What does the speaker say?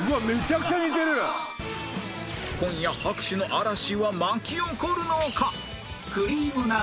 今夜拍手の嵐は巻き起こるのか？